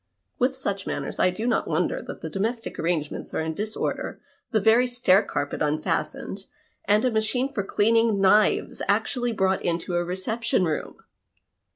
With such manners, I do not wonder that the domestic arrangements are in disorder, the very stair carpet unfastened, and a machine for cleaning knives actually brought into a reception room